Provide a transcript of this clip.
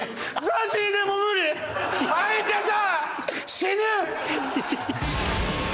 死ぬ！